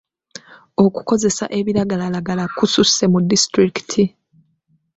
Okukozesa ebiragalalagala kussuse mu disitulikiti.